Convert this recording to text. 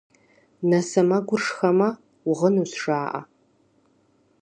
Нэ сэмэгур шхэмэ, угъынущ, жаӏэ.